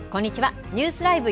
ニュースＬＩＶＥ！